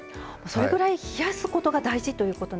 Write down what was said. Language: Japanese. それぐらい冷やすことが大事ということ。